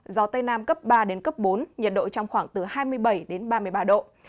gió tây nam cấp ba bốn nhiệt độ trong khoảng từ hai mươi bảy ba mươi ba độ